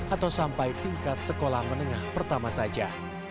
atau sampai tingkat sekolah menengah pertama saja